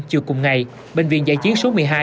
chiều cùng ngày bệnh viện giã chiến số một mươi hai